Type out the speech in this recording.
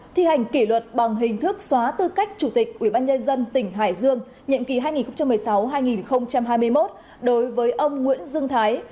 thi hành kỷ luật bằng hình thức xóa tư cách chủ tịch ubnd tỉnh hải dương nhiệm kỳ hai nghìn một mươi sáu hai nghìn hai mươi một đối với ông nguyễn dương thái